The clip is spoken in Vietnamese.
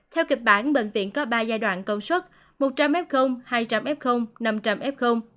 theo kịch bản bệnh viện có ba giai đoạn công suất một trăm linh f hai trăm linh f năm trăm linh f